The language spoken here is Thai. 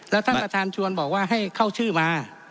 แล้วท่านประธานชวนบอกว่าให้เข้าชื่อมา